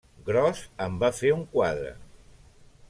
Gros en va fer un quadre.